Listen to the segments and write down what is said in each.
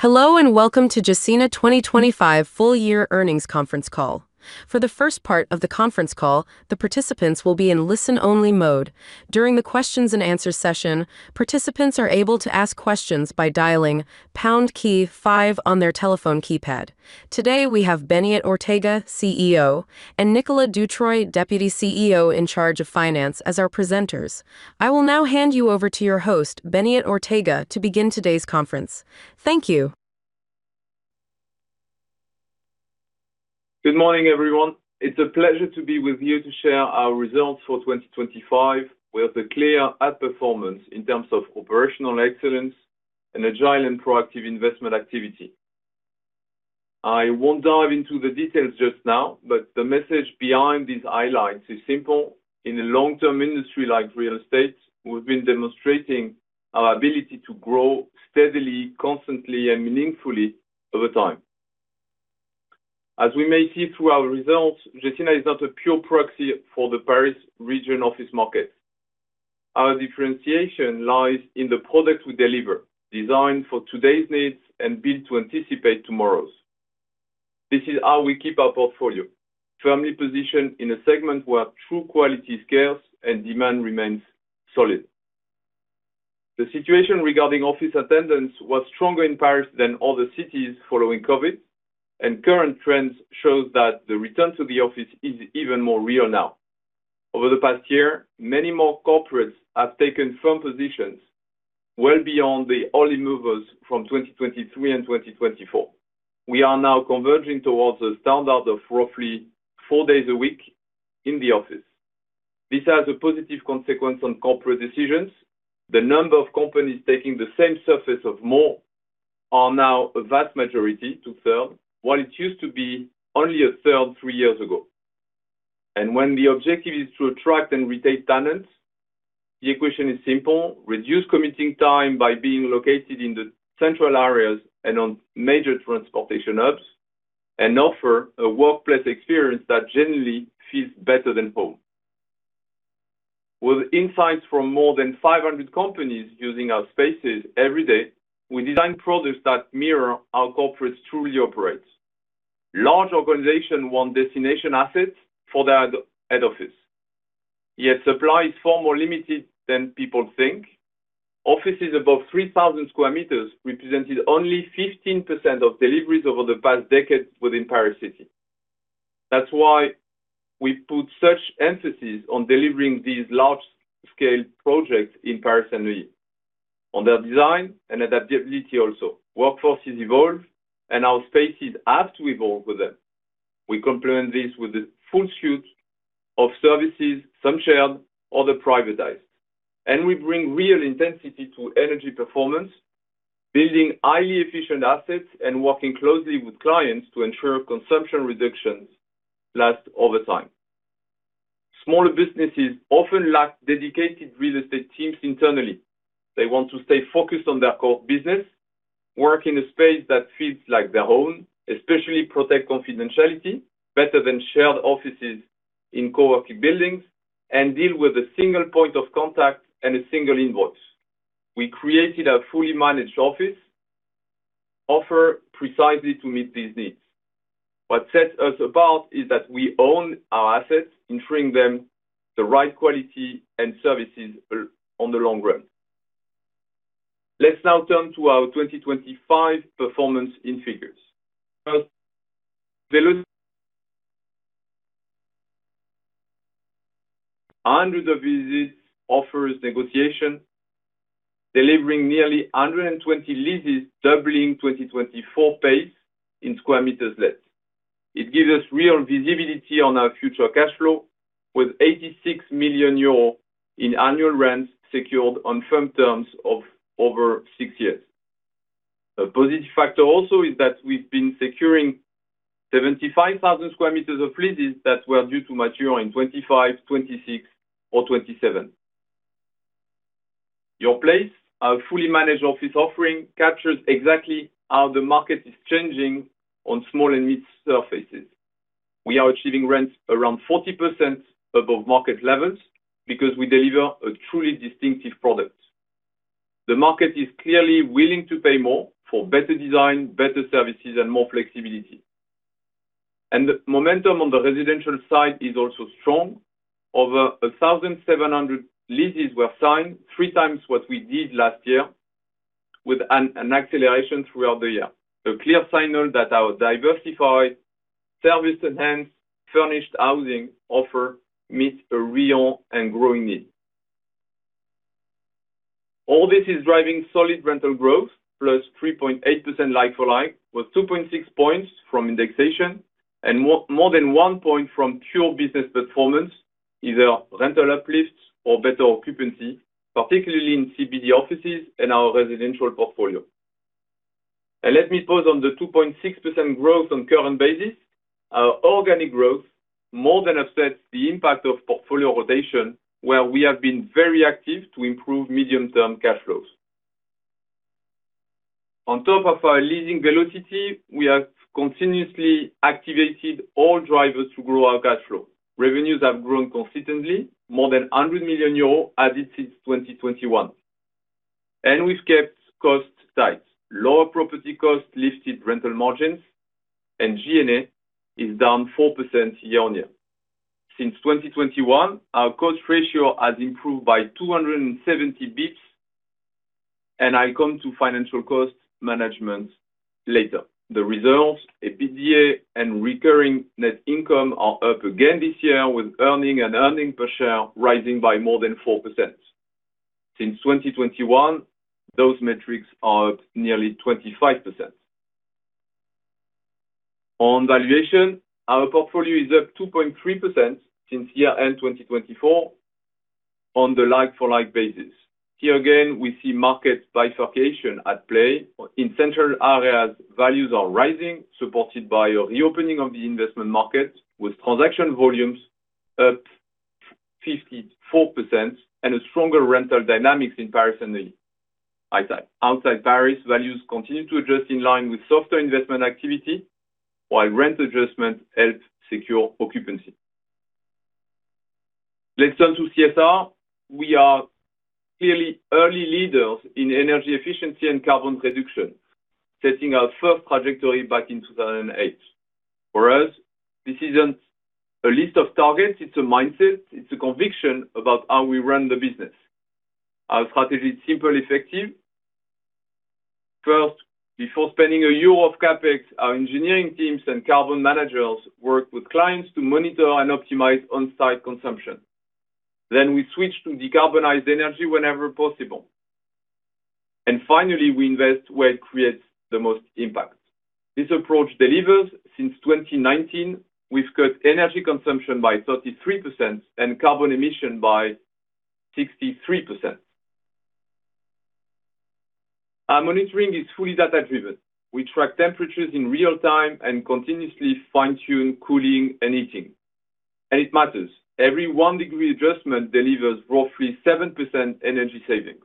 Hello and welcome to Gecina 2025 full-year earnings conference call. For the first part of the conference call, the participants will be in listen-only mode. During the questions-and-answers session, participants are able to ask questions by dialing pound key five on their telephone keypad. Today we have Beñat Ortega, CEO, and Nicolas Dutreuil, Deputy CEO in charge of finance, as our presenters. I will now hand you over to your host, Beñat Ortega, to begin today's conference. Thank you. Good morning, everyone. It's a pleasure to be with you to share our results for 2025, with a clear outperformance in terms of operational excellence and agile and proactive investment activity. I won't dive into the details just now, but the message behind these highlights is simple: in a long-term industry like real estate, we've been demonstrating our ability to grow steadily, constantly, and meaningfully over time. As we may see through our results, Gecina is not a pure proxy for the Paris region office market. Our differentiation lies in the product we deliver, designed for today's needs and built to anticipate tomorrow's. This is how we keep our portfolio: firmly positioned in a segment where true quality is scarce and demand remains solid. The situation regarding office attendance was stronger in Paris than other cities following COVID, and current trends show that the return to the office is even more real now. Over the past year, many more corporates have taken firm positions, well beyond the early movers from 2023 and 2024. We are now converging towards a standard of roughly four days a week in the office. This has a positive consequence on corporate decisions: the number of companies taking the same surface of more are now a vast majority, two-thirds, while it used to be only a third three years ago. When the objective is to attract and retain talent, the equation is simple: reduce committing time by being located in the central areas and on major transportation hubs, and offer a workplace experience that generally feels better than home. With insights from more than 500 companies using our spaces every day, we design products that mirror how corporates truly operate. Large organizations want destination assets for their head office. Yet supply is far more limited than people think. Offices above 3,000 sq m represented only 15% of deliveries over the past decade within Paris City. That's why we put such emphasis on delivering these large-scale projects in Paris and New York, on their design and adaptability also. Workforces evolve, and our spaces have to evolve with them. We complement this with a full suite of services, some shared, other privatized. We bring real intensity to energy performance, building highly efficient assets and working closely with clients to ensure consumption reductions last over time. Smaller businesses often lack dedicated real estate teams internally. They want to stay focused on their core business, work in a space that feels like their own, especially protect confidentiality better than shared offices in co-working buildings, and deal with a single point of contact and a single invoice. We created a fully managed office, offered precisely to meet these needs. What sets us apart is that we own our assets, ensuring them the right quality and services in the long run. Let's now turn to our 2025 performance in figures. First, Velocity. Hundreds of visits, offers, negotiations, delivering nearly 120 leases, doubling 2024 pace in sq m leased. It gives us real visibility on our future cash flow, with 86 million euros in annual rents secured on firm terms of over six years. A positive factor also is that we've been securing 75,000 sq m of leases that were due to mature in 2025, 2026, or 2027. YouFirst, our fully managed office offering, captures exactly how the market is changing on small and mid-surfaces. We are achieving rents around 40% above market levels because we deliver a truly distinctive product. The market is clearly willing to pay more for better design, better services, and more flexibility. The momentum on the residential side is also strong. Over 1,700 leases were signed, three times what we did last year, with an acceleration throughout the year. A clear signal that our diversified service-enhanced, furnished housing offer meets a real and growing need. All this is driving solid rental growth, +3.8% like-for-like, with 2.6 points from indexation and more than 1 point from pure business performance, either rental uplifts or better occupancy, particularly in CBD offices and our residential portfolio. Let me pause on the 2.6% growth on current basis. Our organic growth more than upsets the impact of portfolio rotation, where we have been very active to improve medium-term cash flows. On top of our leasing velocity, we have continuously activated all drivers to grow our cash flow. Revenues have grown consistently, more than 100 million euros added since 2021. We've kept costs tight: lower property costs lifted rental margins, and G&A is down 4% year-on-year. Since 2021, our cost ratio has improved by 270 basis points, and I'll come to financial cost management later. The results, EBITDA and recurring net income are up again this year, with earning and earning per share rising by more than 4%. Since 2021, those metrics are up nearly 25%. On valuation, our portfolio is up 2.3% since year-end 2024 on the like-for-like basis. Here again, we see market bifurcation at play. In central areas, values are rising, supported by a reopening of the investment market, with transaction volumes up 54% and a stronger rental dynamics in Paris and New York. Outside Paris, values continue to adjust in line with softer investment activity, while rent adjustments help secure occupancy. Let's turn to CSR. We are clearly early leaders in energy efficiency and carbon reduction, setting our first trajectory back in 2008. For us, this isn't a list of targets; it's a mindset. It's a conviction about how we run the business. Our strategy is simple, effective. First, before spending EUR 1 of CapEx, our engineering teams and carbon managers work with clients to monitor and optimize on-site consumption. Then we switch to decarbonized energy whenever possible. And finally, we invest where it creates the most impact. This approach delivers: since 2019, we've cut energy consumption by 33% and carbon emission by 63%. Our monitoring is fully data-driven. We track temperatures in real time and continuously fine-tune cooling and heating. It matters: every 1 degree adjustment delivers roughly 7% energy savings.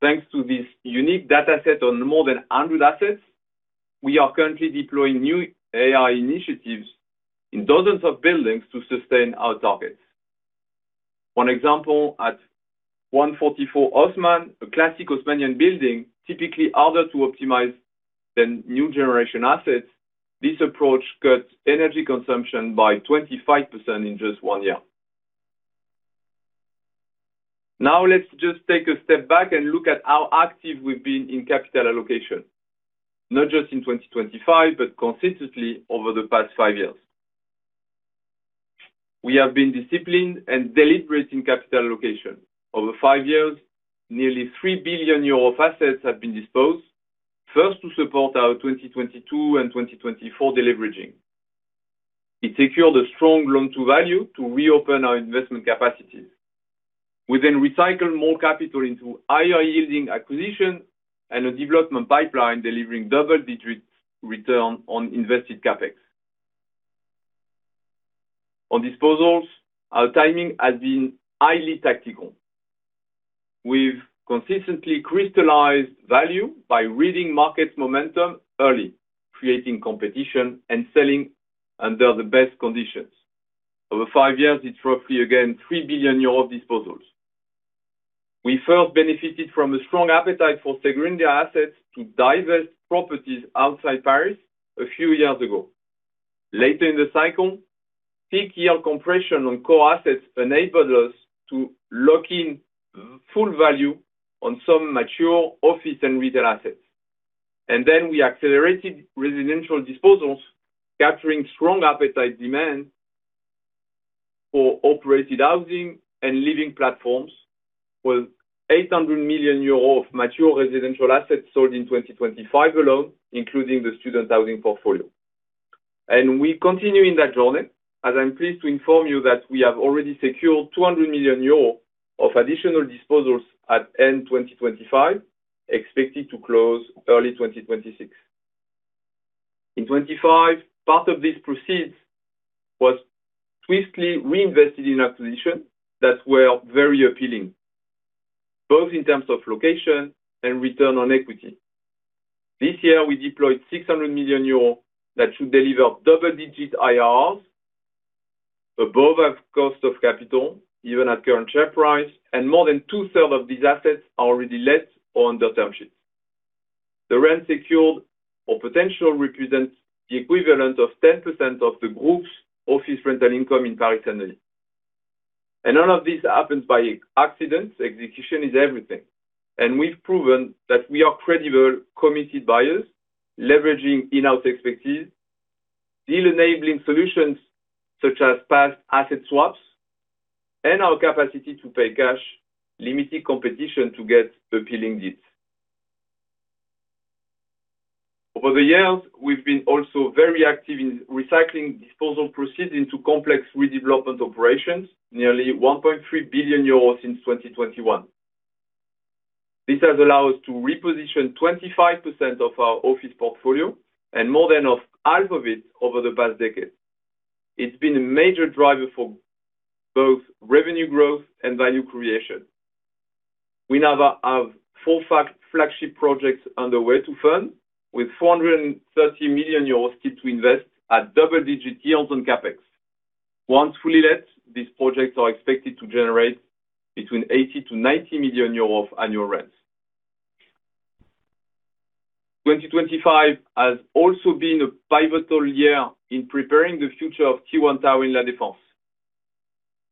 Thanks to this unique dataset on more than 100 assets, we are currently deploying new AI initiatives in dozens of buildings to sustain our targets. One example: at 144 Haussmann, a classic Haussmannian building, typically harder to optimize than new-generation assets, this approach cut energy consumption by 25% in just one year. Now let's just take a step back and look at how active we've been in capital allocation, not just in 2025 but constantly over the past 5 years. We have been disciplined and deliberate in capital allocation. Over 5 years, nearly 3 billion euro of assets have been disposed, first to support our 2022 and 2024 deleveraging. It secured a strong loan-to-value to reopen our investment capacities. We then recycled more capital into higher-yielding acquisitions and a development pipeline delivering double-digit return on invested CapEx. On disposals, our timing has been highly tactical. We've consistently crystallized value by reading market momentum early, creating competition, and selling under the best conditions. Over five years, it's roughly again 3 billion euros of disposals. We first benefited from a strong appetite for secondary assets to divest properties outside Paris a few years ago. Later in the cycle, peak-year compression on core assets enabled us to lock in full value on some mature office and retail assets. And then we accelerated residential disposals, capturing strong appetite demand for operated housing and living platforms, with 800 million euros of mature residential assets sold in 2025 alone, including the student housing portfolio. And we continue in that journey. As I'm pleased to inform you that we have already secured 200 million euros of additional disposals at end 2025, expected to close early 2026. In 2025, part of this proceeds was swiftly reinvested in acquisitions that were very appealing, both in terms of location and return on equity. This year, we deployed 600 million euros that should deliver double-digit IRRs above our cost of capital, even at current share price, and more than two-thirds of these assets are already leased or under term sheet. The rent secured or potential represents the equivalent of 10% of the group's office rental income in Paris and New York. And none of this happens by accident. Execution is everything. And we've proven that we are credible committed buyers, leveraging in-house expertise, deal-enabling solutions such as past asset swaps, and our capacity to pay cash, limiting competition to get appealing deals. Over the years, we've been also very active in recycling disposal proceeds into complex redevelopment operations, nearly 1.3 billion euros since 2021. This has allowed us to reposition 25% of our office portfolio and more than half of it over the past decade. It's been a major driver for both revenue growth and value creation. We now have four flagship projects underway to fund, with 430 million euros still to invest at double-digit yields on CapEx. Once fully let, these projects are expected to generate between 80 million to 90 million euros of annual rents. 2025 has also been a pivotal year in preparing the future of T1 Tower in La Défense.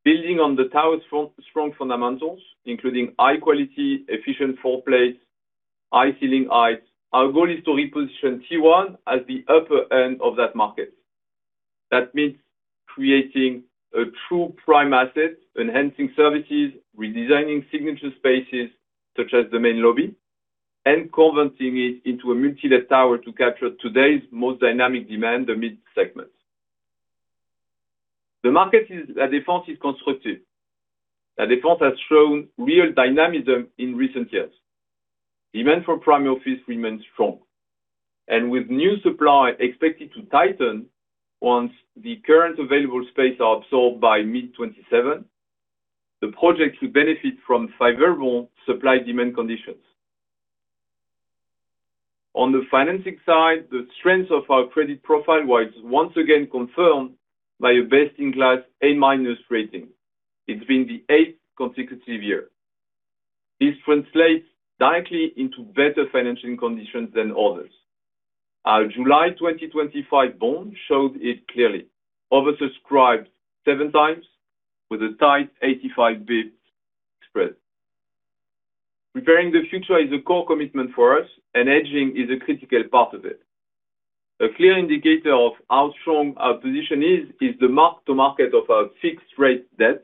Building on the tower's strong fundamentals, including high-quality, efficient floor plates, and high ceiling heights, our goal is to reposition T1 as the upper end of that market. That means creating a true prime asset, enhancing services, redesigning signature spaces such as the main lobby, and converting it into a multi-let tower to capture today's most dynamic demand, the mid-segment. The market in La Défense is constructive. La Défense has shown real dynamism in recent years. Demand for prime office remains strong. And with new supply expected to tighten once the current available space is absorbed by mid-2027, the project should benefit from favorable supply-demand conditions. On the financing side, the strength of our credit profile was once again confirmed by a best-in-class A- rating. It's been the eighth consecutive year. This translates directly into better financing conditions than others. Our July 2025 bond showed it clearly. Oversubscribed seven times with a tight 85 basis points spread. Preparing the future is a core commitment for us, and hedging is a critical part of it. A clear indicator of how strong our position is is the mark-to-market of our fixed-rate debt.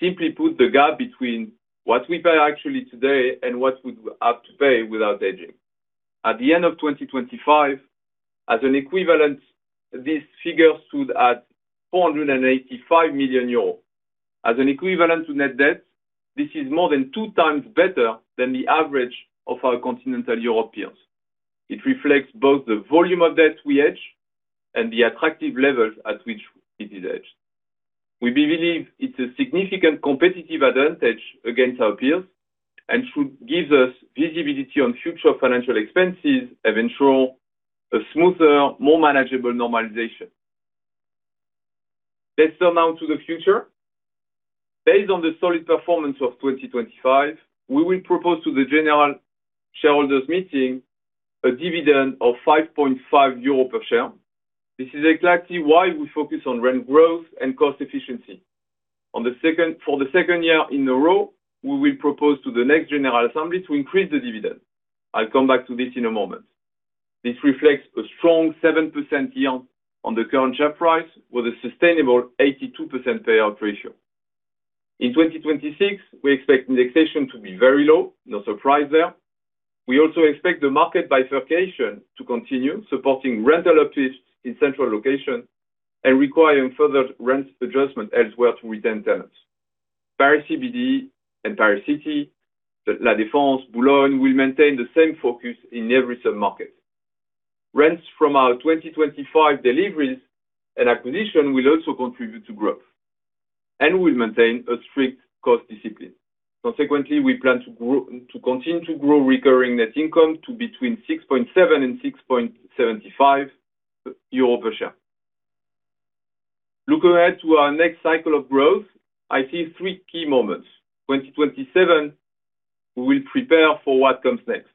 Simply put, the gap between what we pay actually today and what we would have to pay without hedging. At the end of 2025, as an equivalent, this figure stood at 485 million euros. As an equivalent to net debt, this is more than two times better than the average of our continental Europe peers. It reflects both the volume of debt we hedge and the attractive levels at which it is hedged. We believe it's a significant competitive advantage against our peers and should give us visibility on future financial expenses and ensure a smoother, more manageable normalization. Let's turn now to the future. Based on the solid performance of 2025, we will propose to the general shareholders' meeting a dividend of 5.5 euro per share. This is exactly why we focus on rent growth and cost efficiency. For the second year in a row, we will propose to the next general assembly to increase the dividend. I'll come back to this in a moment. This reflects a strong 7% yield on the current share price with a sustainable 82% payout ratio. In 2026, we expect indexation to be very low. No surprise there. We also expect the market bifurcation to continue, supporting rental uplifts in central locations and requiring further rent adjustments elsewhere to retain tenants. Paris CBD and Paris City, La Défense, Boulogne will maintain the same focus in every submarket. Rents from our 2025 deliveries and acquisitions will also contribute to growth. We will maintain a strict cost discipline. Consequently, we plan to continue to grow recurring net income to between 6.7 and 6.75 euro per share. Looking ahead to our next cycle of growth, I see three key moments. 2027, we will prepare for what comes next.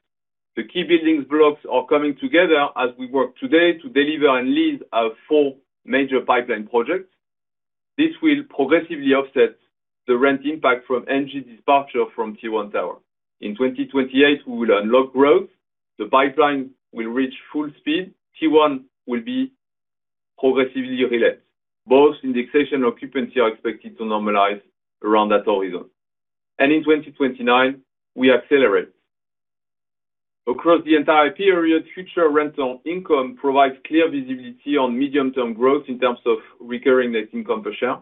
The key building blocks are coming together as we work today to deliver and lease our four major pipeline projects. This will progressively offset the rent impact from Engie departure from T1 Tower. In 2028, we will unlock growth. The pipeline will reach full speed. T1 will be progressively relet. Both indexation and occupancy are expected to normalize around that horizon. And in 2029, we accelerate. Across the entire period, future rental income provides clear visibility on medium-term growth in terms of recurring net income per share.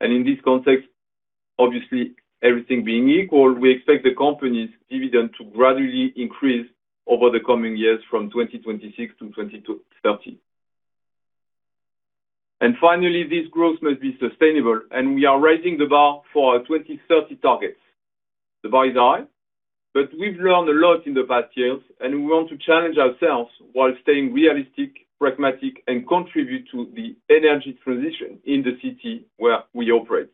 And in this context, obviously, everything being equal, we expect the company's dividend to gradually increase over the coming years from 2026 to 2030. And finally, this growth must be sustainable, and we are raising the bar for our 2030 targets. The bar is high, but we've learned a lot in the past years, and we want to challenge ourselves while staying realistic, pragmatic, and contribute to the energy transition in the city where we operate.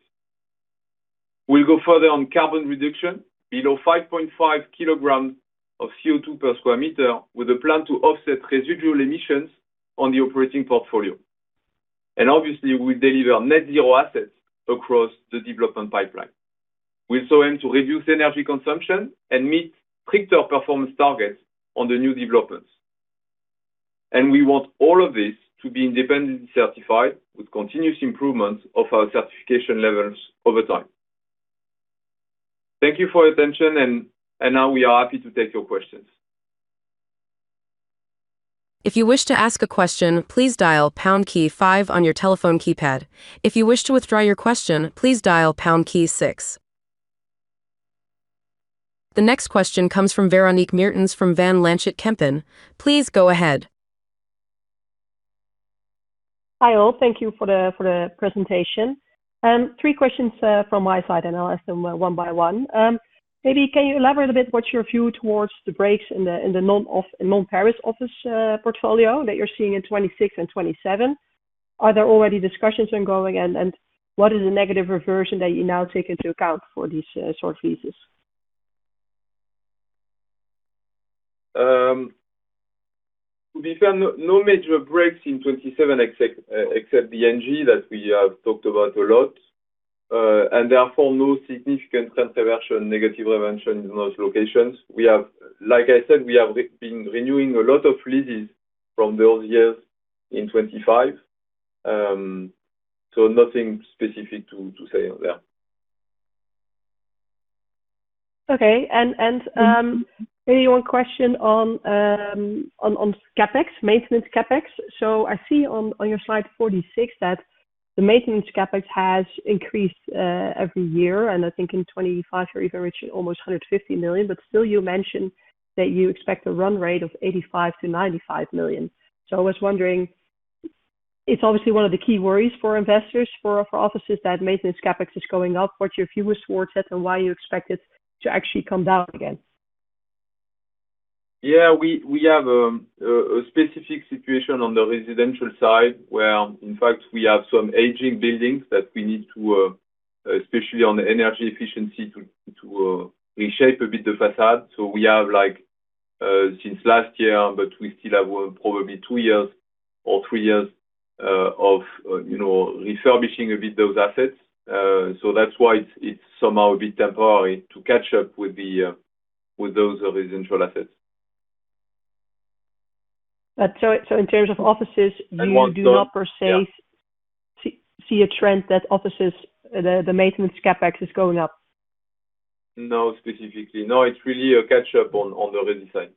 We'll go further on carbon reduction: below 5.5 kilograms of CO2 per sq m, with a plan to offset residual emissions on the operating portfolio. Obviously, we'll deliver net-zero assets across the development pipeline. We'll also aim to reduce energy consumption and meet stricter performance targets on the new developments. We want all of this to be independently certified, with continuous improvements of our certification levels over time. Thank you for your attention, and now we are happy to take your questions. If you wish to ask a question, please dial pound key five on your telephone keypad. If you wish to withdraw your question, please dial pound key six. The next question comes from Véronique Meertens from Van Lanschot Kempen. Please go ahead. Hi all. Thank you for the presentation. Three questions from my side, and I'll ask them one by one. Maybe can you elaborate a bit what's your view towards the breaks in the non-Paris office portfolio that you're seeing in 2026 and 2027? Are there already discussions ongoing, and what is the negative reversion that you now take into account for these sort of leases? We've had no major breaks in 2027 except the energy that we have talked about a lot. And therefore, no significant trend reversion, negative reversion in those locations. Like I said, we have been renewing a lot of leases from those years in 2025. So nothing specific to say on there. Okay. And maybe one question on maintenance CapEx. So I see on your slide 46 that the maintenance CapEx has increased every year, and I think in 2025 you're even reaching almost 150 million. But still, you mentioned that you expect a run rate of 85 million-95 million. So I was wondering, it's obviously one of the key worries for investors, for offices, that maintenance CapEx is going up. What's your view towards that and why you expect it to actually come down again? Yeah. We have a specific situation on the residential side where, in fact, we have some aging buildings that we need to, especially on energy efficiency, reshape a bit the façade. So we have, since last year, but we still have probably two years or three years of refurbishing a bit those assets. So that's why it's somehow a bit temporary to catch up with those residential assets. In terms of offices, you do not per se see a trend that the maintenance CapEx is going up? No, specifically. No, it's really a catch-up on the ready side.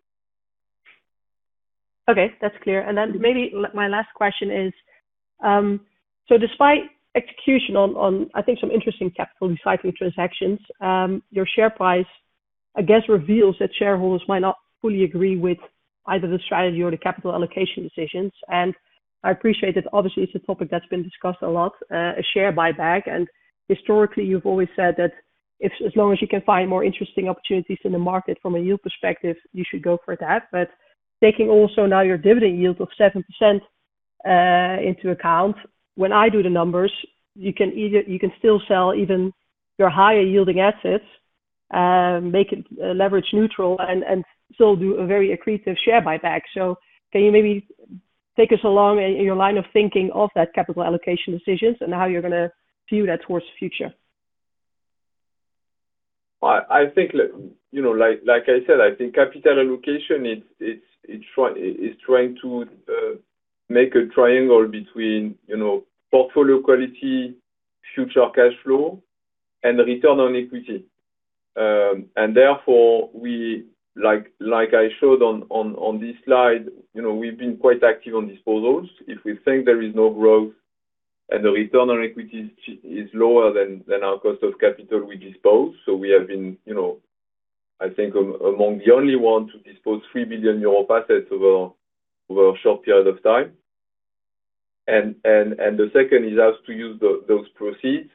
Okay. That's clear. And then maybe my last question is, so despite execution on, I think, some interesting capital recycling transactions, your share price, I guess, reveals that shareholders might not fully agree with either the strategy or the capital allocation decisions. And I appreciate that, obviously, it's a topic that's been discussed a lot, a share buyback. And historically, you've always said that as long as you can find more interesting opportunities in the market from a yield perspective, you should go for that. But taking also now your dividend yield of 7% into account, when I do the numbers, you can still sell even your higher-yielding assets, leverage neutral, and still do a very accretive share buyback. So can you maybe take us along in your line of thinking of that capital allocation decisions and how you're going to view that towards the future? I think, like I said, I think capital allocation, it's trying to make a triangle between portfolio quality, future cash flow, and return on equity. And therefore, like I showed on this slide, we've been quite active on disposals. If we think there is no growth and the return on equity is lower than our cost of capital we dispose, so we have been, I think, among the only ones to dispose of 3 billion euro assets over a short period of time. And the second is how to use those proceeds.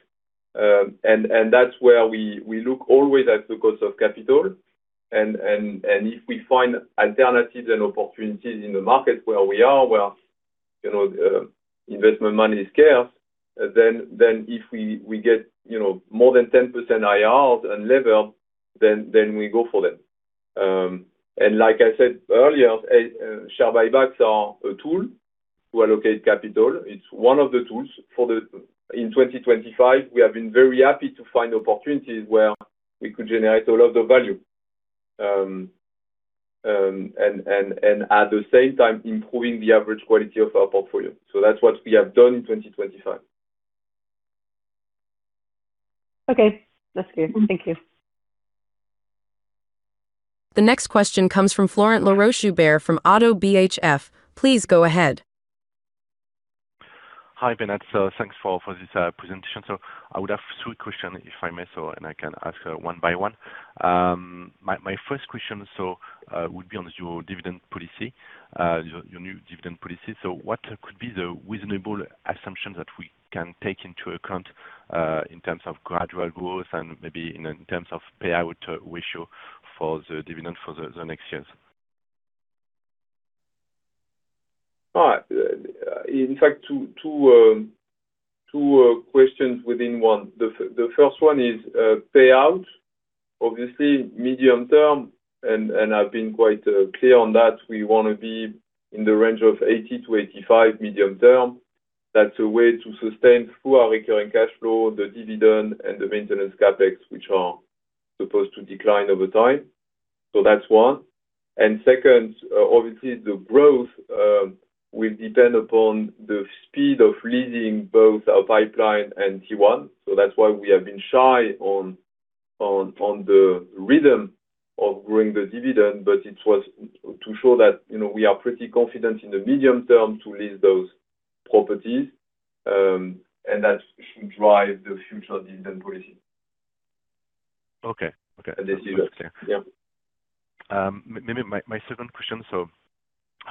And that's where we look always at the cost of capital. And if we find alternatives and opportunities in the market where we are, where investment money is scarce, then if we get more than 10% IRR unlevered, then we go for them. And like I said earlier, share buybacks are a tool to allocate capital. It's one of the tools. In 2025, we have been very happy to find opportunities where we could generate a lot of value and at the same time improving the average quality of our portfolio. So that's what we have done in 2025. Okay. That's clear. Thank you. The next question comes from Florent Laroche-Joubert from Oddo BHF. Please go ahead. Hi Beñat. Thanks for this presentation. So I would have three questions, if I may, and I can ask one by one. My first question would be on your dividend policy, your new dividend policy. So what could be the reasonable assumptions that we can take into account in terms of gradual growth and maybe in terms of payout ratio for the dividend for the next years? In fact, two questions within one. The first one is payout. Obviously, medium-term, and I've been quite clear on that, we want to be in the range of 80-85 medium-term. That's a way to sustain through our recurring cash flow, the dividend, and the maintenance CapEx, which are supposed to decline over time. So that's one. And second, obviously, the growth will depend upon the speed of leasing both our pipeline and T1. So that's why we have been shy on the rhythm of growing the dividend, but it was to show that we are pretty confident in the medium-term to lease those properties. And that should drive the future dividend policy. Okay. Okay. That's clear. The decision. Yeah. Maybe my second question, so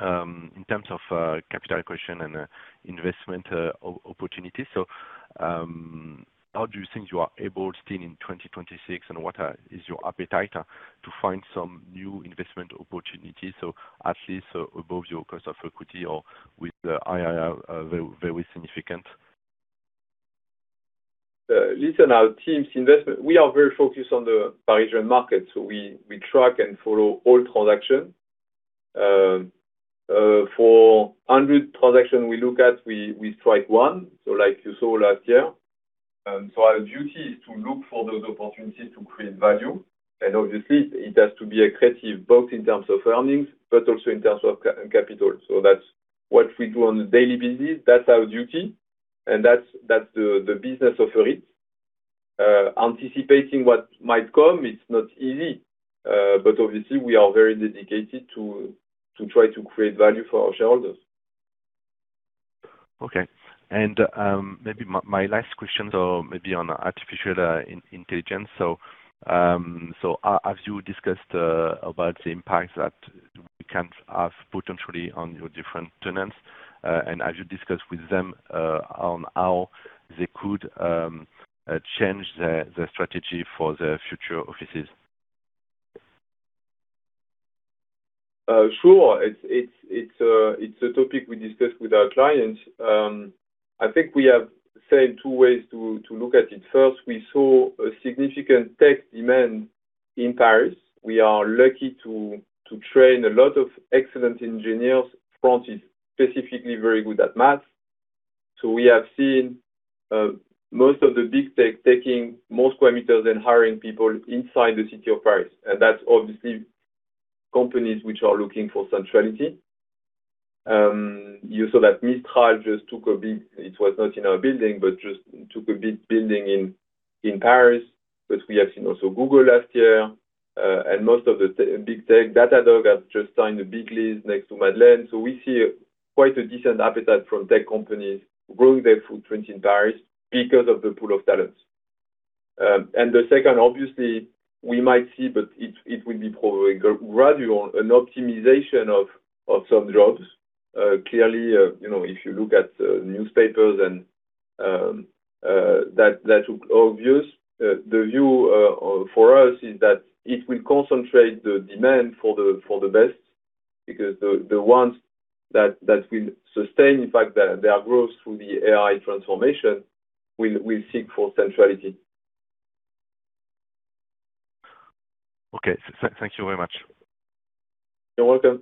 in terms of capital equation and investment opportunities, so how do you think you are able still in 2026, and what is your appetite to find some new investment opportunities, so at least above your cost of equity or with IRR very significant? Listen, our team's investment, we are very focused on the Parisian market, so we track and follow all transactions. For 100 transactions we look at, we strike one, so like you saw last year. So our duty is to look for those opportunities to create value. And obviously, it has to be accretive both in terms of earnings but also in terms of capital. So that's what we do on the daily basis. That's our duty. And that's the business of REITs. Anticipating what might come, it's not easy. But obviously, we are very dedicated to try to create value for our shareholders. Okay. Maybe my last question. Maybe on artificial intelligence. Have you discussed about the impacts that we can have potentially on your different tenants? Have you discussed with them on how they could change their strategy for their future offices? Sure. It's a topic we discuss with our clients. I think we have seen two ways to look at it. First, we saw a significant tech demand in Paris. We are lucky to train a lot of excellent engineers who are specifically very good at math. So we have seen most of the big tech taking more sq m and hiring people inside the city of Paris. And that's obviously companies which are looking for centrality. You saw that Mistral just took a big, it was not in our building, but just took a big building in Paris. But we have seen also Google last year. And most of the big tech, Datadog, have just signed a big lease next to Madeleine. So we see quite a decent appetite from tech companies growing their footprint in Paris because of the pool of talents. The second, obviously, we might see, but it will be probably gradual, an optimization of some jobs. Clearly, if you look at newspapers and that took all views, the view for us is that it will concentrate the demand for the best because the ones that will sustain, in fact, their growth through the AI transformation will seek for centrality. Okay. Thank you very much. You're welcome.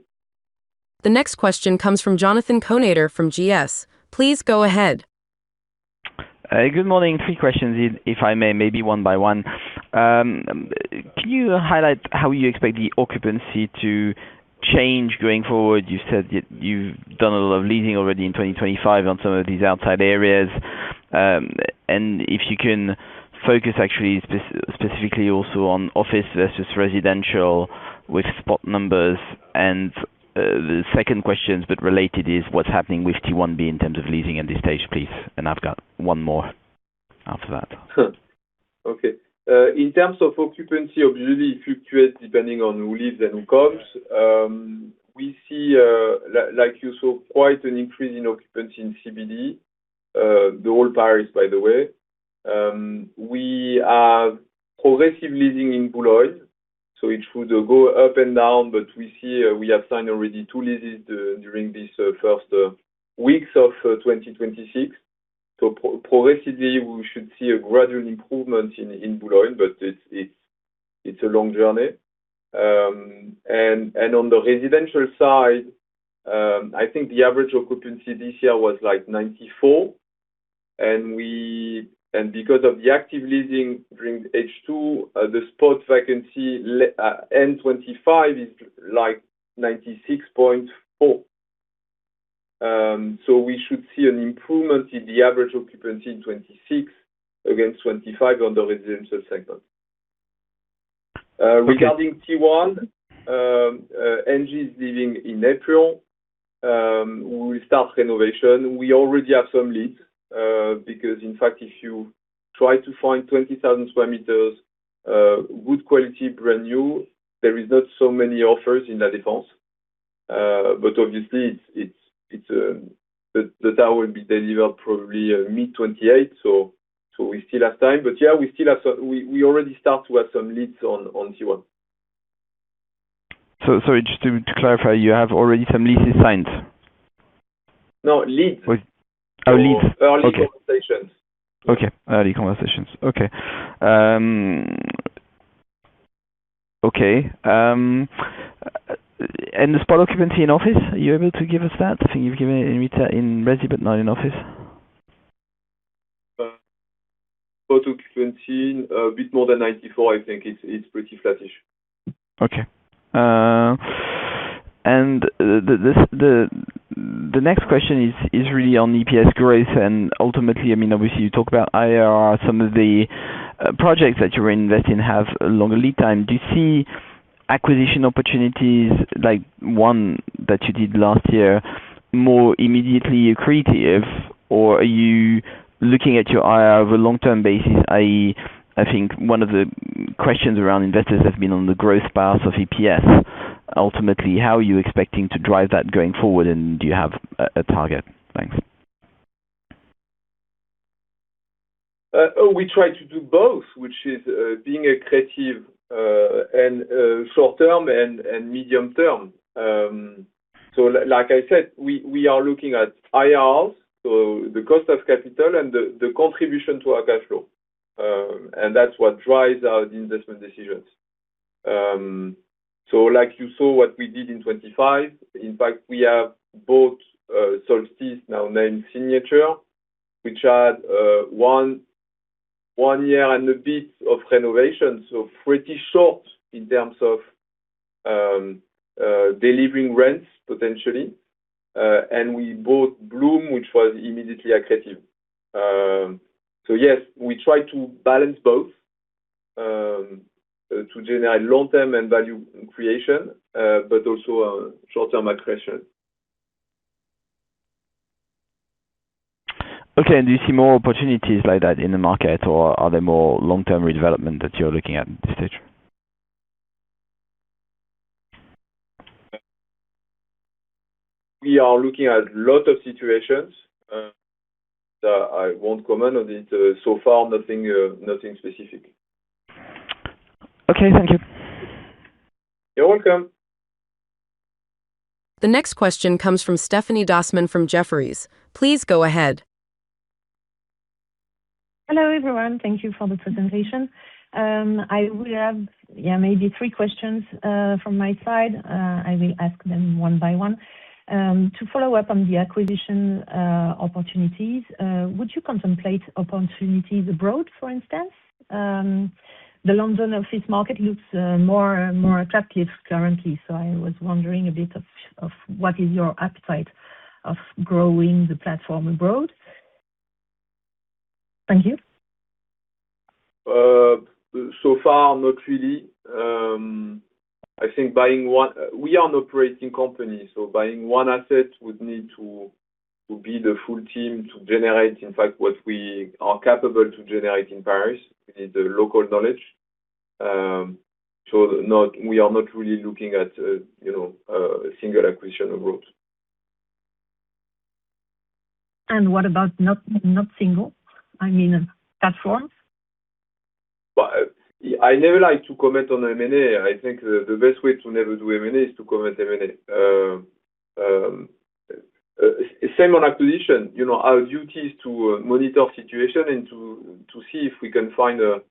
The next question comes from Jonathan Kownator from GS. Please go ahead. Good morning. Three questions, if I may, maybe one by one. Can you highlight how you expect the occupancy to change going forward? You said you've done a lot of leasing already in 2025 on some of these outside areas. And if you can focus, actually, specifically also on office versus residential with spot numbers. And the second question, but related, is what's happening with T1 in terms of leasing at this stage, please? And I've got one more after that. Sure. Okay. In terms of occupancy, obviously, it fluctuates depending on who leaves and who comes. We see, like you saw, quite an increase in occupancy in CBD, the whole Paris, by the way. We have progressive leasing in Boulogne. So it should go up and down, but we have signed already two leases during these first weeks of 2026. So progressively, we should see a gradual improvement in Boulogne, but it's a long journey. And on the residential side, I think the average occupancy this year was 94%. And because of the active leasing during H2, the spot vacancy end 2025 is 96.4%. So we should see an improvement in the average occupancy in 2026 against 2025 on the residential segment. Regarding T1, Engie is leaving in April. We will start renovation. We already have some leads because, in fact, if you try to find 20,000 sq m good quality, brand new, there is not so many offers in La Défense. But obviously, the tower will be delivered probably mid-2028, so we still have time. But yeah, we already start to have some leads on T1. So just to clarify, you have already some leases signed? No, leads. Oh, leads. Early conversations. And the spot occupancy in office, are you able to give us that? I think you've given it in resi, but not in office. Spot occupancy a bit more than 94, I think. It's pretty flattish. Okay. The next question is really on EPS growth. Ultimately, I mean, obviously, you talk about IRR. Some of the projects that you're investing have a longer lead time. Do you see acquisition opportunities, like one that you did last year, more immediately accretive, or are you looking at your IRR on a long-term basis? I think one of the questions around investors has been on the growth path of EPS. Ultimately, how are you expecting to drive that going forward, and do you have a target? Thanks. We try to do both, which is being accretive short-term and medium-term. So like I said, we are looking at IRRs, so the cost of capital, and the contribution to our cash flow. And that's what drives our investment decisions. So like you saw what we did in 2025, in fact, we have both Solstys now named Signature, which had one year and a bit of renovation, so pretty short in terms of delivering rents, potentially. And we bought Bloom, which was immediately accretive. So yes, we try to balance both to generate long-term and value creation but also short-term accretion. Okay. And do you see more opportunities like that in the market, or are they more long-term redevelopment that you're looking at at this stage? We are looking at a lot of situations that are quite common, but so far, nothing specific. Okay. Thank you. You're welcome. The next question comes from Stéphanie Dossmann from Jefferies. Please go ahead. Hello, everyone. Thank you for the presentation. I will have, yeah, maybe three questions from my side. I will ask them one by one. To follow up on the acquisition opportunities, would you contemplate opportunities abroad, for instance? The London office market looks more attractive currently, so I was wondering a bit of what is your appetite of growing the platform abroad. Thank you. So far, not really. I think buying one, we are an operating company, so buying one asset would need to be the full team to generate, in fact, what we are capable to generate in Paris. We need the local knowledge. So we are not really looking at a single acquisition abroad. What about not single? I mean, platforms? Well, I never like to commit on M&A. I think the best way to never do M&A is to commit M&A. Same on acquisition. Our duty is to monitor the situation and to see if we can find an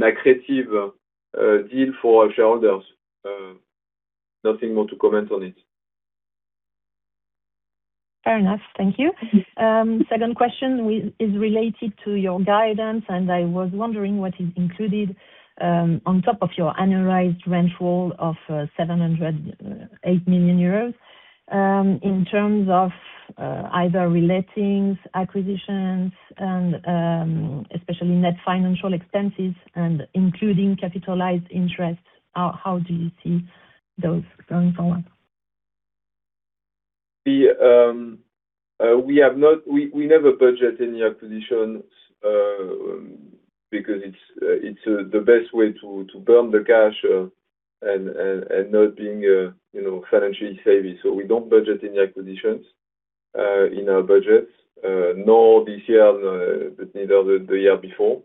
accretive deal for our shareholders. Nothing more to comment on it. Fair enough. Thank you. Second question is related to your guidance, and I was wondering what is included on top of your annualized rent rule of 708 million euros in terms of either relating acquisitions and especially net financial expenses and including capitalized interest. How do you see those going forward? We never budget any acquisition because it's the best way to burn the cash and not being financially savvy. So we don't budget any acquisitions in our budgets, nor this year but neither the year before.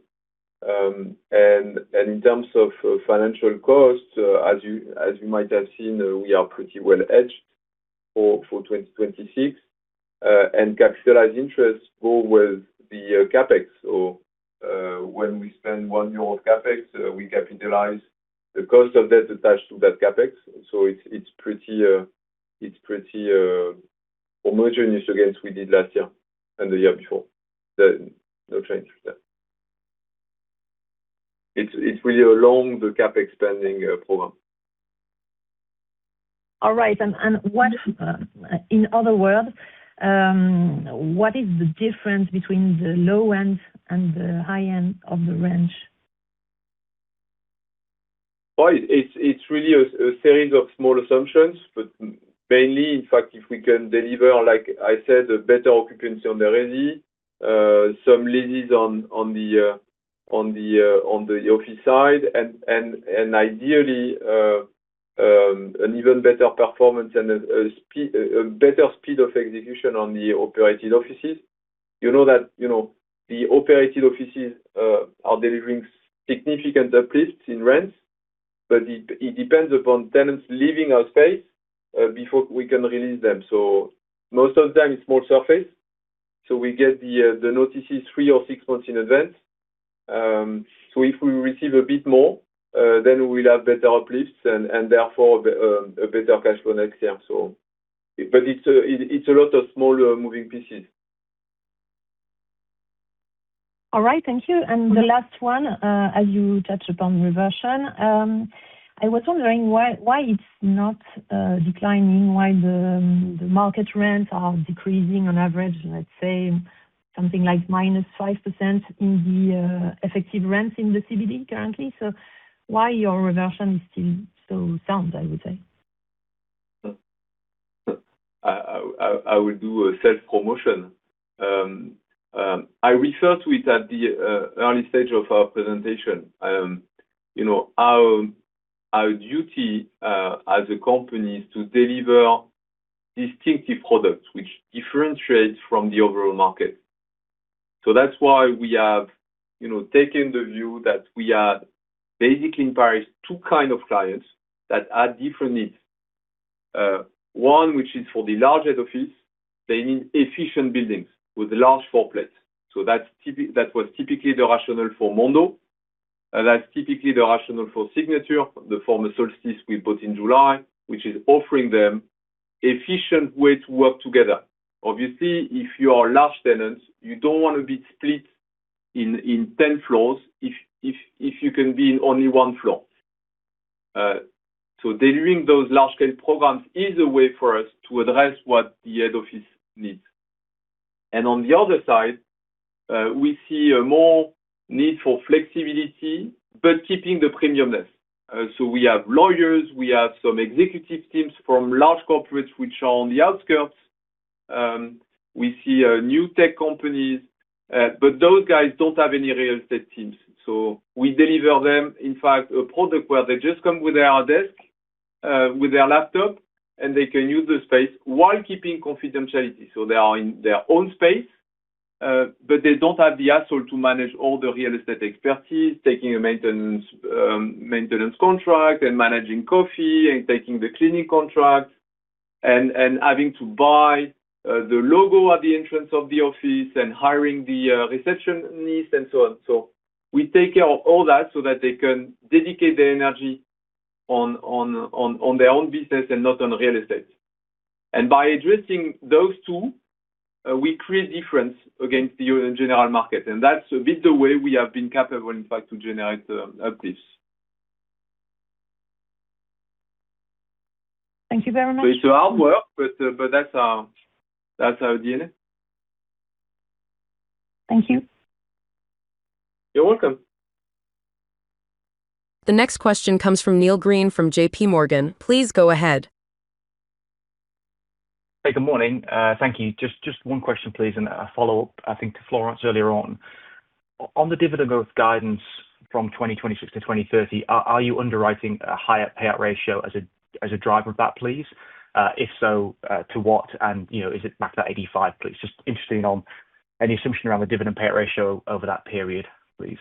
And in terms of financial costs, as you might have seen, we are pretty well-hedged for 2026. And capitalized interests go with the CapEx. So when we spend 1 euro of CapEx, we capitalize the cost of debt attached to that CapEx. So it's pretty homogeneous against what we did last year and the year before. No change with that. It's really along the CapEx spending program. All right. In other words, what is the difference between the low end and the high end of the range? Well, it's really a series of small assumptions. But mainly, in fact, if we can deliver, like I said, a better occupancy on the resi, some leases on the office side, and ideally, an even better performance and a better speed of execution on the operated offices, you know that the operated offices are delivering significant uplifts in rents, but it depends upon tenants leaving our space before we can release them. So most of the time, it's small surface. So we get the notices three or six months in advance. So if we receive a bit more, then we will have better uplifts and therefore a better cash flow next year, so. But it's a lot of small moving pieces. All right. Thank you. The last one, as you touched upon reversion, I was wondering why it's not declining, why the market rents are decreasing on average, let's say, something like -5% in the effective rents in the CBD currently. So why your reversion is still so sound, I would say? I will do self-promotion. I referred to it at the early stage of our presentation. Our duty as a company is to deliver distinctive products which differentiate from the overall market. So that's why we have taken the view that we have basically in Paris two kinds of clients that have different needs. One, which is for the large head office, they need efficient buildings with large floor plates. So that was typically the rationale for Mondo. That's typically the rationale for Signature, the former Solstys we bought in July, which is offering them an efficient way to work together. Obviously, if you are a large tenant, you don't want to be split in 10 floors if you can be in only one floor. So delivering those large-scale programs is a way for us to address what the head office needs. And on the other side, we see a more need for flexibility but keeping the premiumness. So we have lawyers. We have some executive teams from large corporates which are on the outskirts. We see new tech companies, but those guys don't have any real estate teams. So we deliver them, in fact, a product where they just come with their desk, with their laptop, and they can use the space while keeping confidentiality. So they are in their own space, but they don't have the hassle to manage all the real estate expertise, taking a maintenance contract and managing coffee and taking the cleaning contract and having to buy the logo at the entrance of the office and hiring the receptionist and so on. So we take care of all that so that they can dedicate their energy on their own business and not on real estate. By addressing those two, we create difference against the general market. That's a bit the way we have been capable, in fact, to generate uplifts. Thank you very much. It's a hard work, but that's our DNA. Thank you. You're welcome. The next question comes from Neil Green from J.P. Morgan. Please go ahead. Hey, good morning. Thank you. Just one question, please, and a follow-up, I think, to Florent earlier on. On the dividend growth guidance from 2026 to 2030, are you underwriting a higher payout ratio as a driver of that, please? If so, to what? And is it back to that 85, please? Just interested in any assumption around the dividend payout ratio over that period, please.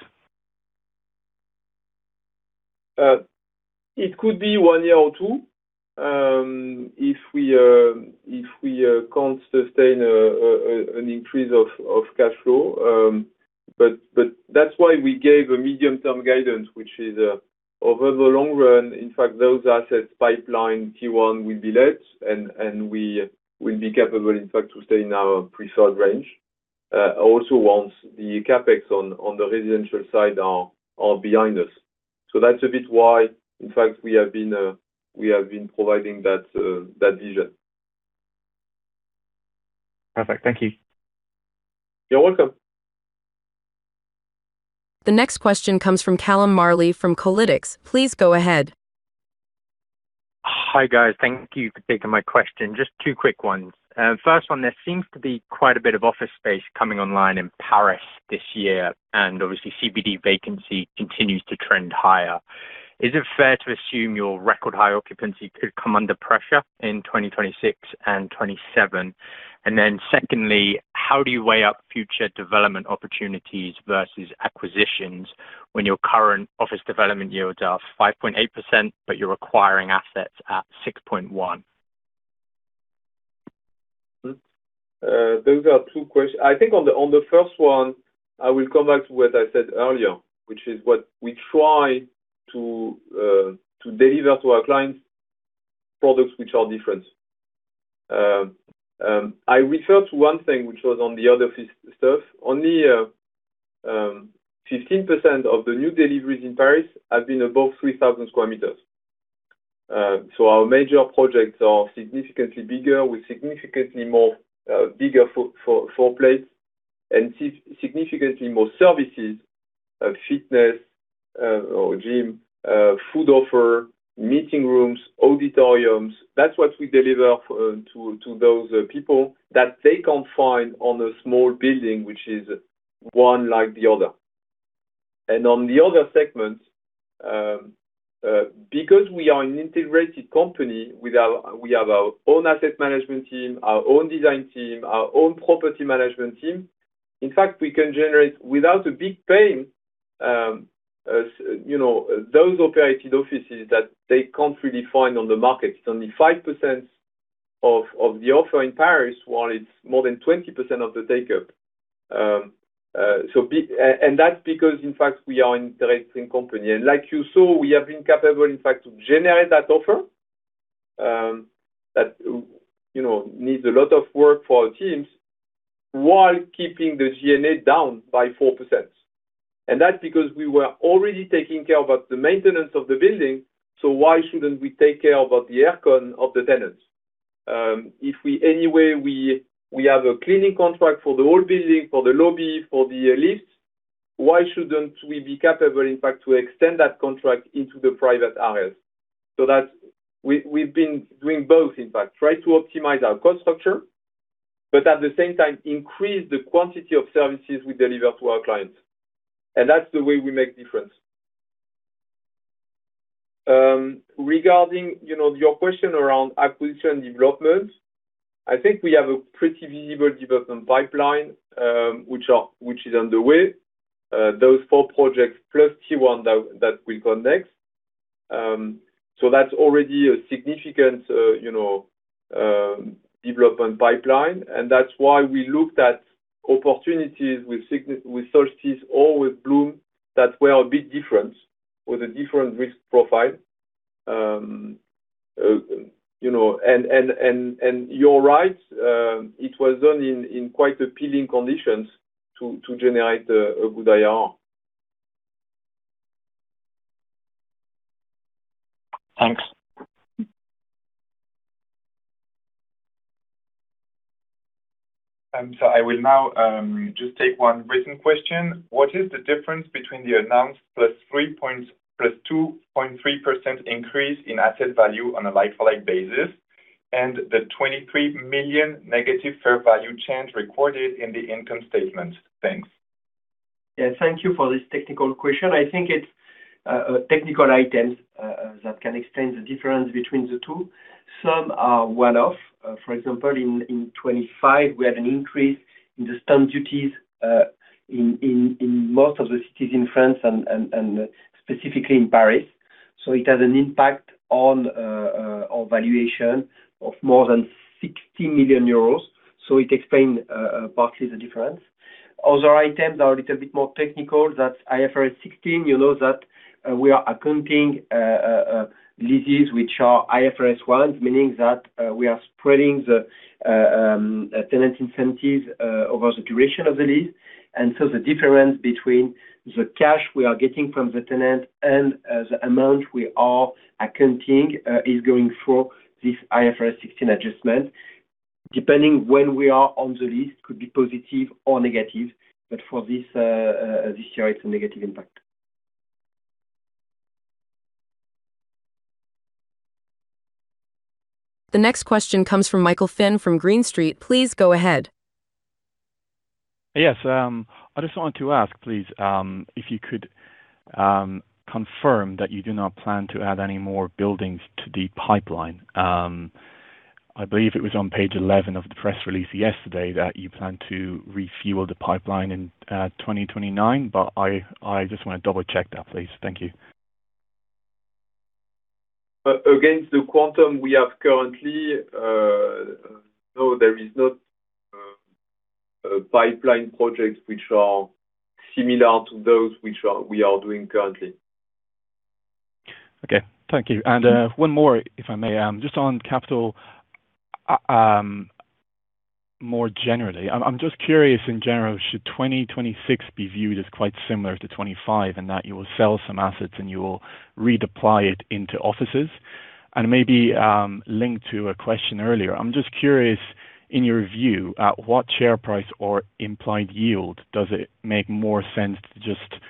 It could be one year or two if we can't sustain an increase of cash flow. But that's why we gave a medium-term guidance, which is over the long run. In fact, those assets pipeline T1 will be let, and we will be capable, in fact, to stay in our preferred range also once the CapEx on the residential side are behind us. So that's a bit why, in fact, we have been providing that vision. Perfect. Thank you. You're welcome. The next question comes from Callum Mallyon from Colliers. Please go ahead. Hi, guys. Thank you for taking my question. Just two quick ones. First one, there seems to be quite a bit of office space coming online in Paris this year, and obviously, CBD vacancy continues to trend higher. Is it fair to assume your record-high occupancy could come under pressure in 2026 and 2027? And then secondly, how do you weigh up future development opportunities versus acquisitions when your current office development yields are 5.8%, but you're acquiring assets at 6.1%? Those are two questions. I think on the first one, I will come back to what I said earlier, which is what we try to deliver to our clients, products which are different. I refer to one thing, which was on the head office stuff. Only 15% of the new deliveries in Paris have been above 3,000 sq m. So our major projects are significantly bigger with significantly more bigger floor plates and significantly more services: fitness or gym, food offer, meeting rooms, auditoriums. That's what we deliver to those people that they can't find on a small building, which is one like the other. And on the other segment, because we are an integrated company, we have our own asset management team, our own design team, our own property management team. In fact, we can generate, without a big pain, those operated offices that they can't really find on the market. It's only 5% of the offer in Paris, while it's more than 20% of the takeup. And that's because, in fact, we are an integrating company. And like you saw, we have been capable, in fact, to generate that offer that needs a lot of work for our teams while keeping the G&A down by 4%. And that's because we were already taking care of the maintenance of the building. So why shouldn't we take care of the aircon of the tenants? If anyway, we have a cleaning contract for the whole building, for the lobby, for the lifts, why shouldn't we be capable, in fact, to extend that contract into the private areas? So we've been doing both, in fact, try to optimize our cost structure, but at the same time, increase the quantity of services we deliver to our clients. And that's the way we make a difference. Regarding your question around acquisition and development, I think we have a pretty visible development pipeline, which is underway, those four projects plus T1 that will come next. So that's already a significant development pipeline. And that's why we looked at opportunities with Solstys or with Bloom that were a bit different with a different risk profile. And you're right. It was done in quite appealing conditions to generate a good IRR. Thanks. So I will now just take one written question. What is the difference between the announced +3.0% +2.3% increase in asset value on a like-for-like basis and the 23 million negative fair value change recorded in the income statement? Thanks. Yeah. Thank you for this technical question. I think it's technical items that can explain the difference between the two. Some are one-off. For example, in 2025, we had an increase in the stamp duties in most of the cities in France and specifically in Paris. So it has an impact on our valuation of more than 60 million euros. So it explains partly the difference. Other items are a little bit more technical. That's IFRS 16, that we are accounting leases which are IFRS ones, meaning that we are spreading the tenant incentives over the duration of the lease. And so the difference between the cash we are getting from the tenant and the amount we are accounting is going through this IFRS 16 adjustment. Depending when we are on the lease, it could be positive or negative. But for this year, it's a negative impact. The next question comes from Michael Finn from Green Street. Please go ahead. Yes. I just wanted to ask, please, if you could confirm that you do not plan to add any more buildings to the pipeline. I believe it was on page 11 of the press release yesterday that you plan to refuel the pipeline in 2029. But I just want to double-check that, please. Thank you. Against the quantum we have currently, no, there is not a pipeline project which are similar to those which we are doing currently. Okay. Thank you. And one more, if I may, just on capital more generally. I'm just curious, in general, should 2026 be viewed as quite similar to 2025 in that you will sell some assets and you will redeploy it into offices? And maybe linked to a question earlier, I'm just curious, in your view, at what share price or implied yield does it make more sense to just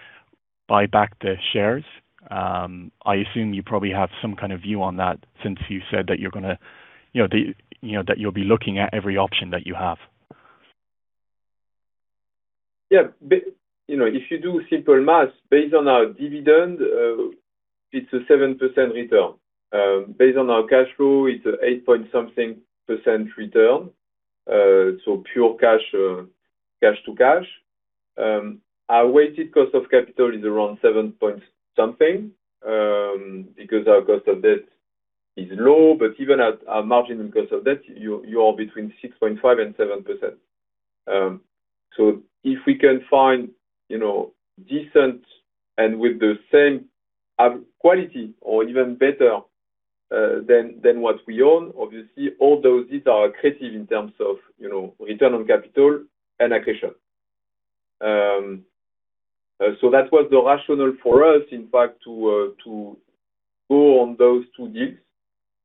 buy back the shares? I assume you probably have some kind of view on that since you said that you're going to that you'll be looking at every option that you have. Yeah. If you do simple math, based on our dividend, it's a 7% return. Based on our cash flow, it's an 8-point-something% return, so pure cash to cash. Our weighted cost of capital is around 7-point-something% because our cost of debt is low. But even at our margin and cost of debt, you are between 6.5%-7%. So if we can find decent deals with the same quality or even better than what we own, obviously, all those deals are accretive in terms of return on capital and accretion. So that was the rationale for us, in fact, to go on those two deals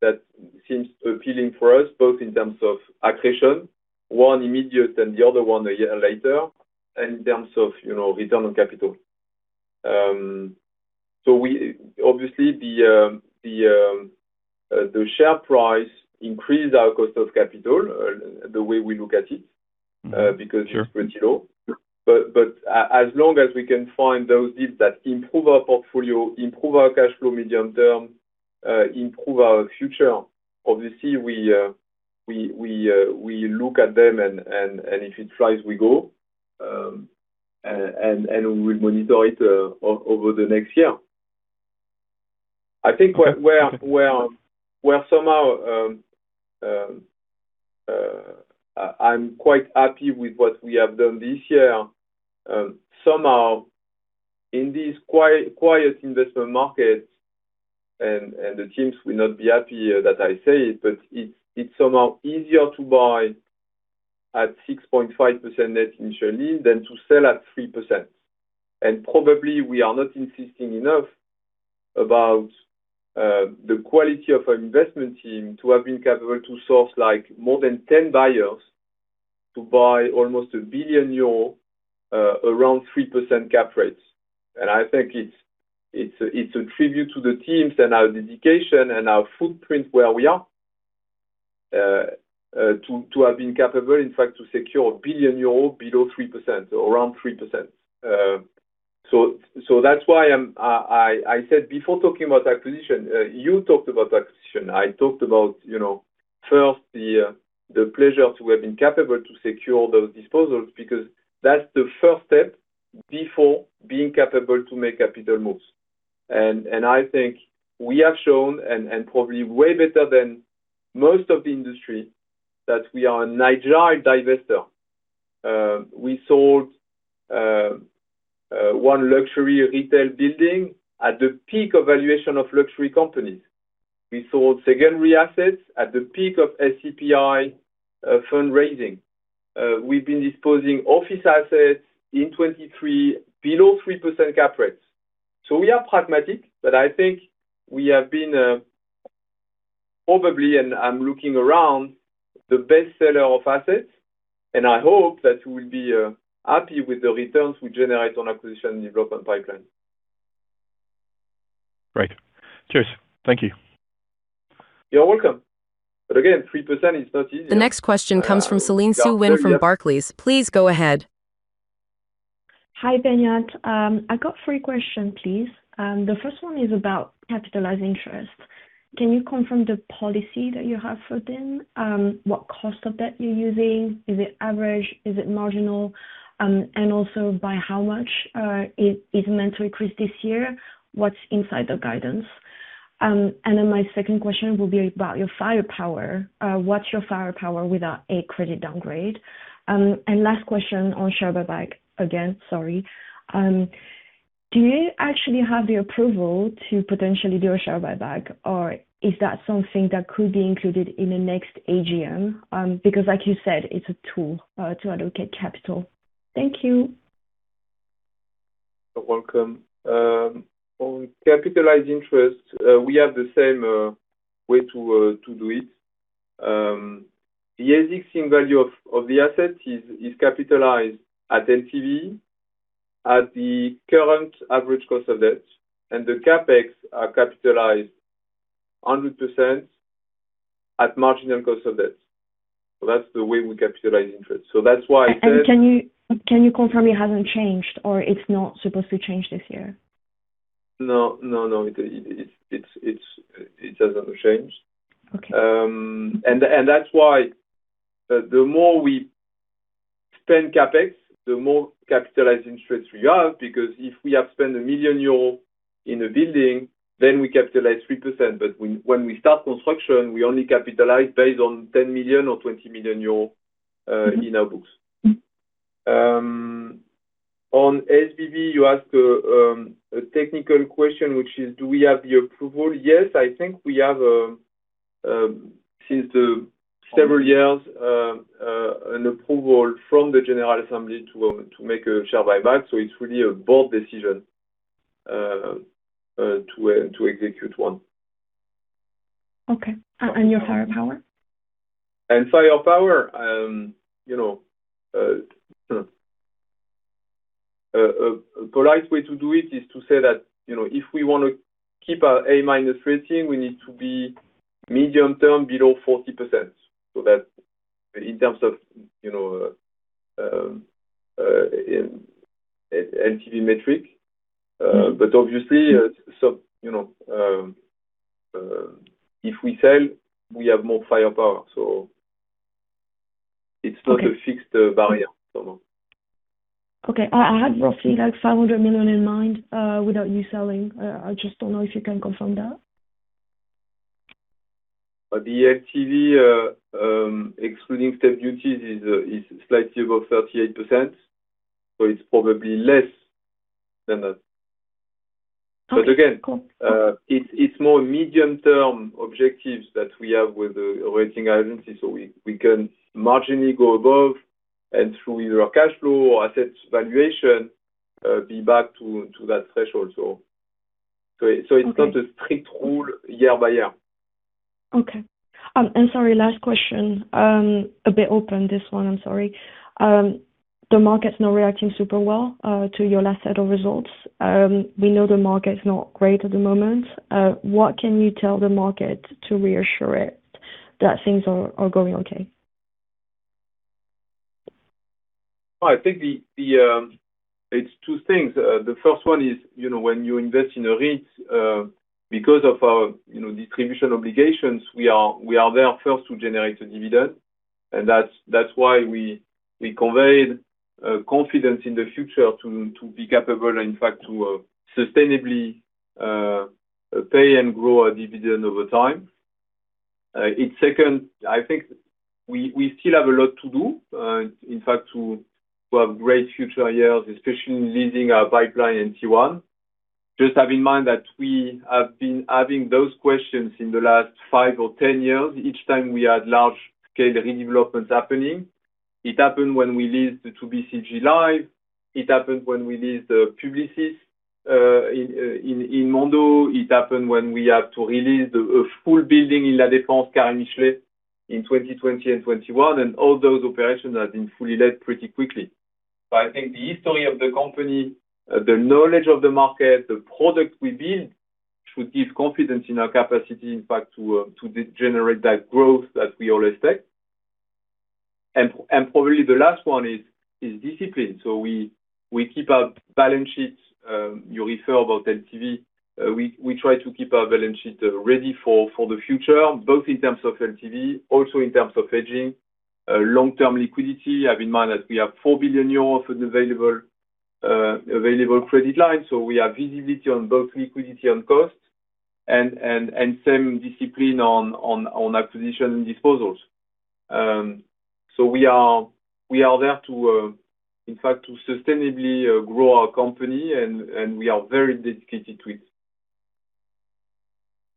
that seemed appealing for us, both in terms of accretion, one immediate and the other one a year later, and in terms of return on capital. So obviously, the share price increased our cost of capital the way we look at it because it's pretty low. But as long as we can find those deals that improve our portfolio, improve our cash flow medium term, improve our future, obviously, we look at them, and if it flies, we go. And we will monitor it over the next year. I think where somehow I'm quite happy with what we have done this year. Somehow, in these quiet investment markets, and the teams will not be happy that I say it, but it's somehow easier to buy at 6.5% net initially than to sell at 3%. And probably, we are not insisting enough about the quality of our investment team to have been capable to source more than 10 buyers to buy almost 1 billion euro around 3% cap rates. And I think it's a tribute to the teams and our dedication and our footprint where we are to have been capable, in fact, to secure 1 billion euros below 3%, around 3%. So that's why I said before talking about acquisition, you talked about acquisition. I talked about, first, the pleasure to have been capable to secure those disposals because that's the first step before being capable to make capital moves. And I think we have shown, and probably way better than most of the industry, that we are an agile divestor. We sold one luxury retail building at the peak evaluation of luxury companies. We sold secondary assets at the peak of SCPI fundraising. We've been disposing office assets in 2023 below 3% cap rates. So we are pragmatic, but I think we have been probably, and I'm looking around, the best seller of assets. I hope that we will be happy with the returns we generate on acquisition and development pipeline. Great. Cheers. Thank you. You're welcome. But again, 3% is not easy. The next question comes from Céline Quirot from Barclays. Please go ahead. Hi, Beñat. I've got three questions, please. The first one is about capitalized interest. Can you confirm the policy that you have for them? What cost of debt you're using? Is it average? Is it marginal? And also, by how much is it meant to increase this year? What's inside the guidance? And then my second question will be about your firepower. What's your firepower without a credit downgrade? And last question on share buyback again, sorry. Do you actually have the approval to potentially do a share buyback, or is that something that could be included in the next AGM? Because like you said, it's a tool to allocate capital. Thank you. You're welcome. On capitalized interest, we have the same way to do it. The site value of the asset is capitalized at LTV, at the current average cost of debt, and the CapEx are capitalized 100% at marginal cost of debt. So that's the way we capitalize interest. So that's why I said. Can you confirm it hasn't changed or it's not supposed to change this year? No, no, no. It hasn't changed. That's why the more we spend CapEx, the more capitalized interest we have because if we have spent 1 million euros in a building, then we capitalize 3%. But when we start construction, we only capitalize based on 10 million or 20 million euros in our books. On SBB, you asked a technical question, which is, do we have the approval? Yes, I think we have, since several years, an approval from the General Assembly to make a share buyback. It's really a board decision to execute one. Okay. And your firepower? Firepower, a polite way to do it is to say that if we want to keep our A-minus rating, we need to be medium term below 40% in terms of LTV metric. Obviously, if we sell, we have more firepower. It's not a fixed barrier, somehow. Okay. I had roughly 500 million in mind without you selling. I just don't know if you can confirm that. The LTV excluding stamp duties is slightly above 38%. So it's probably less than that. But again, it's more medium-term objectives that we have with the rating agencies. So we can marginally go above and through either our cash flow or asset valuation, be back to that threshold. So it's not a strict rule year by year. Okay. And sorry, last question. A bit open this one, I'm sorry. The market's not reacting super well to your last set of results. We know the market's not great at the moment. What can you tell the market to reassure it that things are going okay? I think it's two things. The first one is when you invest in a REIT, because of our distribution obligations, we are there first to generate a dividend. And that's why we conveyed confidence in the future to be capable, in fact, to sustainably pay and grow our dividend over time. Second, I think we still have a lot to do, in fact, to have great future years, especially leasing our pipeline in T1. Just have in mind that we have been having those questions in the last five or 10 years. Each time we had large-scale redevelopments happening, it happened when we leased the BCG Live. It happened when we leased the Publicis in Mondo. It happened when we had to release a full building in La Défense Carré Michelet in 2020 and 2021. And all those operations have been fully let pretty quickly. I think the history of the company, the knowledge of the market, the product we build should give confidence in our capacity, in fact, to generate that growth that we all expect. Probably the last one is discipline. We keep our balance sheet you refer about LTV. We try to keep our balance sheet ready for the future, both in terms of LTV, also in terms of hedging, long-term liquidity. Have in mind that we have 4 billion euros of an available credit line. We have visibility on both liquidity and cost and same discipline on acquisition and disposals. We are there to, in fact, to sustainably grow our company, and we are very dedicated to it.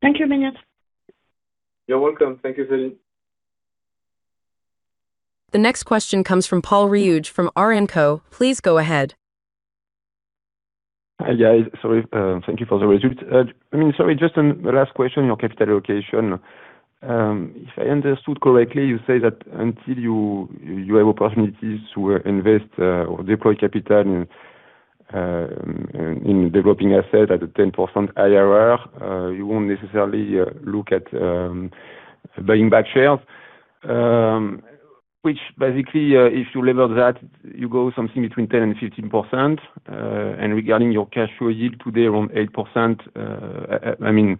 Thank you, Beñat. You're welcome. Thank you, Céline. The next question comes from Paul Reuge from Rothschild & Co. Please go ahead. Hi, guys. Thank you for the result. I mean, sorry, just a last question, your capital allocation. If I understood correctly, you say that until you have opportunities to invest or deploy capital in developing assets at a 10% IRR, you won't necessarily look at buying back shares, which basically, if you leverage that, you go something between 10%-15%. Regarding your cash flow yield today around 8%, I mean,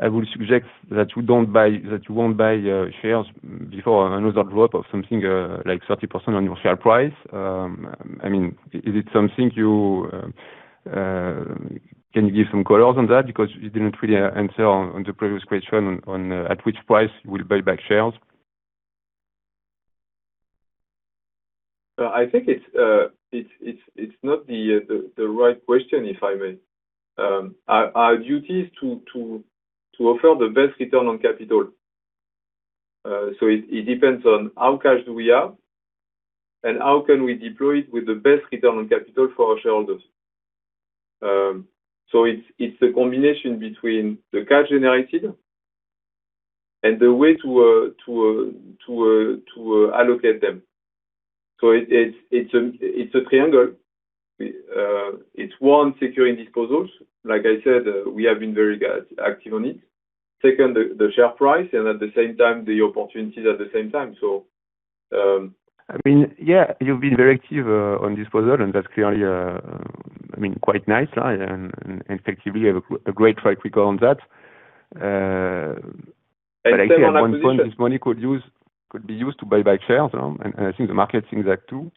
I would suggest that you won't buy shares before another drop of something like 30% on your share price. I mean, is it something you can give some colors on that because you didn't really answer on the previous question at which price you will buy back shares? I think it's not the right question, if I may. Our duty is to offer the best return on capital. So it depends on how much cash do we have and how can we deploy it with the best return on capital for our shareholders. So it's a combination between the cash generated and the way to allocate them. So it's a triangle. It's one, securing disposals. Like I said, we have been very active on it. Second, the share price, and at the same time, the opportunities at the same time. So. I mean, yeah, you've been very active on disposal, and that's clearly, I mean, quite nice. And effectively, you have a great track record on that. But I think at one point, this money could be used to buy back shares, and I think the market seems that too.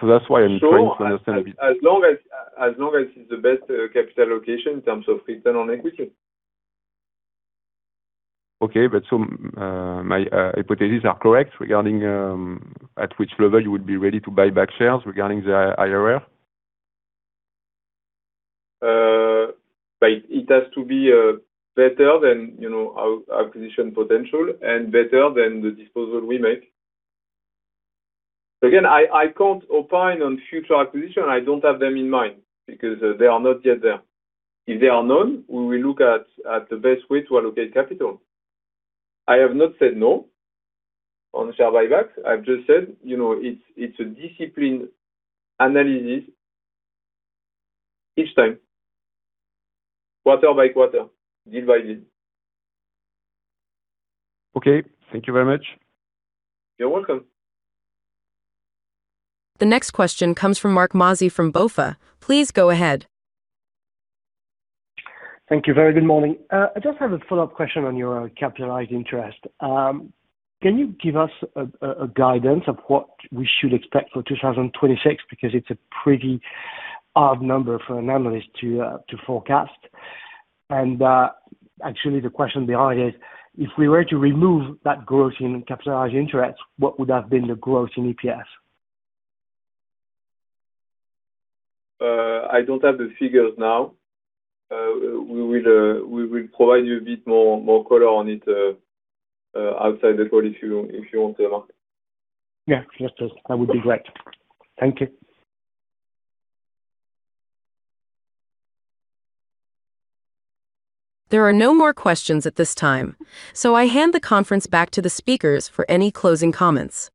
So that's why I'm trying to understand a bit. So as long as it's the best capital allocation in terms of return on equity. Okay. But so my hypotheses are correct regarding at which level you would be ready to buy back shares regarding the IRR? It has to be better than our acquisition potential and better than the disposal we make. Again, I can't opine on future acquisition. I don't have them in mind because they are not yet there. If they are known, we will look at the best way to allocate capital. I have not said no on share buybacks. I've just said it's a disciplined analysis each time, year by year, deal by deal. Okay. Thank you very much. You're welcome. The next question comes from Marc Mozzi from BofA. Please go ahead. Thank you. Very good morning. I just have a follow-up question on your capitalized interest. Can you give us a guidance of what we should expect for 2026 because it's a pretty odd number for an analyst to forecast? And actually, the question behind it, if we were to remove that growth in capitalized interest, what would have been the growth in EPS? I don't have the figures now. We will provide you a bit more color on it outside the call if you want to, Marc. Yeah, sure. That would be great. Thank you. There are no more questions at this time, so I hand the conference back to the speakers for any closing comments.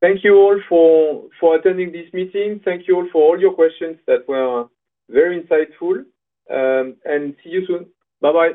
Thank you all for attending this meeting. Thank you all for all your questions that were very insightful. See you soon. Bye-bye.